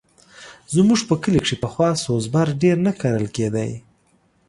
زموږ په کلي کښې پخوا سوز بر ډېر نه کرل کېدی.